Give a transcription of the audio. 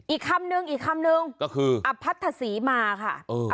อีกคำนึงอีกคำนึงก็คืออพัทธศรีมาค่ะ